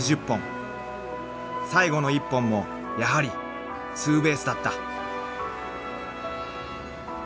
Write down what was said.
［最後の１本もやはりツーベースだった］